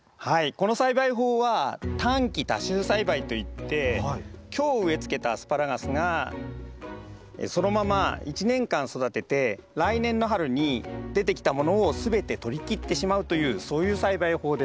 この栽培法は短期多収栽培といって今日植えつけたアスパラガスがそのまま１年間育てて来年の春に出てきたものを全てとりきってしまうというそういう栽培法です。